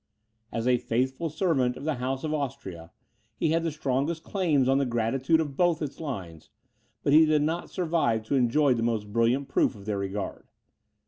As a faithful servant of the House of Austria, he had the strongest claims on the gratitude of both its lines, but he did not survive to enjoy the most brilliant proof of their regard.